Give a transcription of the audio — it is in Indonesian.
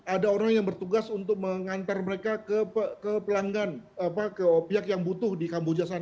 ada orang yang bertugas untuk mengantar mereka ke pelanggan ke pihak yang butuh di kamboja sana